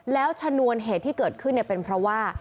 แล้วชนวนเหตุที่เกิดขึ้นเป็นเพราะว่า